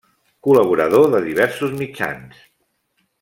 Col·laborador de diversos mitjans.